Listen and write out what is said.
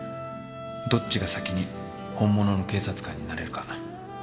どっちが先に本物の警察官になれるか。